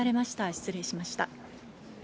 失礼しました。